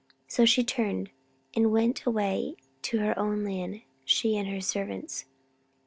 So she turned, and went away to her own land, she and her servants.